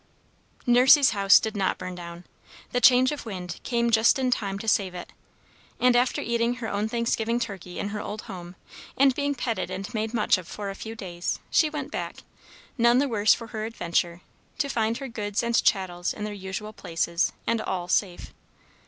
Nursey's house did not burn down. The change of wind came just in time to save it; and, after eating her own Thanksgiving turkey in her old home, and being petted and made much of for a few days, she went back, none the worse for her adventure, to find her goods and chattels in their usual places, and all safe.